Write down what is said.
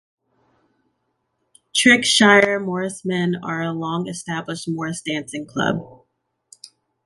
Triggshire Morris Men are a long established Morris Dancing club.